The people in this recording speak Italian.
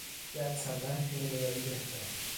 Piazza Martiri della libertà